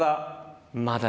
まだ？